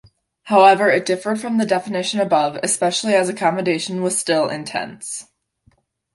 However, it differed from the definition above, especially as accommodation was still in tents.